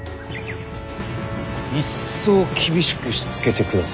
一層厳しくしつけてくだされ。